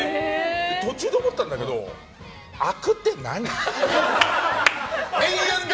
途中で思ったんだけどあくって何？